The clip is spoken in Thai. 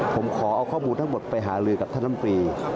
ผมขอเอาข้อมูลทั้งหมดไปหาลือกับท่านลำตรี